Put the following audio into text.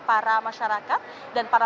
para masyarakat dan para